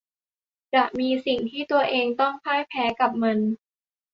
จะมีสิ่งที่ตัวเองต้องพ่ายแพ้กับมัน